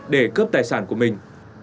để cướp tài sản của mình